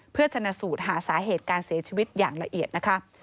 เพื่อชนะสูตรหาสาเหตุการเสียชีวิตอย่างละเอียดนะคะ